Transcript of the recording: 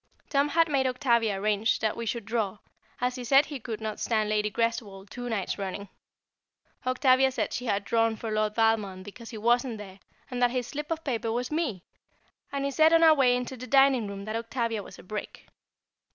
Tom had made Octavia arrange that we should draw, as he said he could not stand Lady Greswold two nights running. Octavia said she had drawn for Lord Valmond because he wasn't there, and that his slip of paper was me, and he said on our way into the dining room that Octavia was a brick.